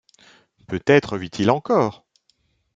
Peut-être vit-il encore!...